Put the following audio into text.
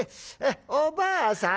おばあさん